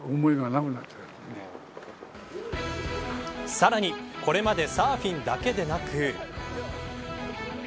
さらにこれまでサーフィンだけでなく。